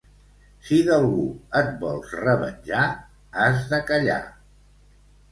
Si d'algú et vols revenjar, has de callar.